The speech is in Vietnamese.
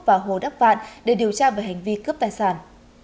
và hồ đắc vạn để điều tra về hành vi cướp tài sản